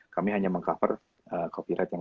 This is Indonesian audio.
kami hanya meng cover copyright yang